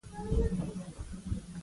موږ له خپلو ګاونډیانو سره ښه اړیکه لرو.